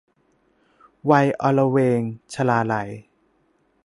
วัยอลเวง - ชลาลัย